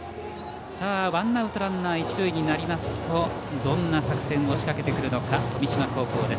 ワンアウトランナー、一塁になりますとどんな作戦を仕掛けてくるのか富島高校。